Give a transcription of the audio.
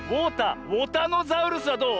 ウォタノザウルスはどう？